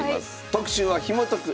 特集は「ひも解く！